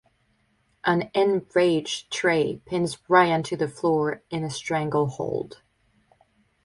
An enraged Trey pins Ryan to the floor in a stranglehold.